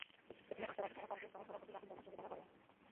সেখানে আসার আগে তাঁরা কংগ্রেস সহসভাপতি রাহুল গান্ধীর সঙ্গে দেখা করেন।